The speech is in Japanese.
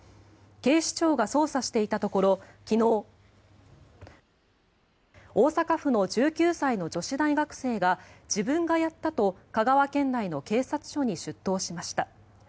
警視庁が捜査していたところ昨日、大阪府の１９歳の女子大学生が自分がやったと香川県内の警察署に出頭しました。